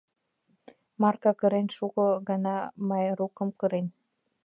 Марка кырен, шуко гана Майрукым кырен.